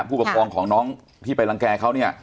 ผู้ปกครองของน้องที่ไปรังแก่เขาเนี่ย